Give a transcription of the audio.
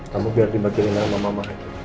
kamu biar dibagiin sama mama